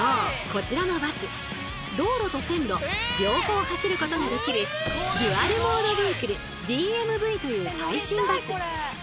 こちらのバス道路と線路両方走ることができるデュアル・モード・ビークルＤＭＶという最新バス！